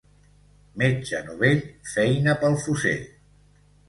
Metge novell, feina pel fosser.